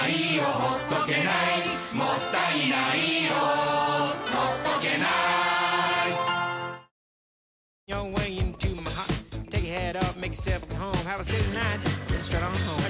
「もったいないをほっとけない」あれ？